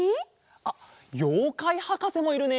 あっようかいはかせもいるね！